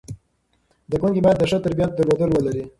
زده کوونکي باید د ښه تربیت درلودل ولري.